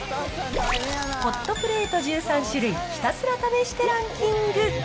ホットプレート１３種類、ひたすら試してランキング。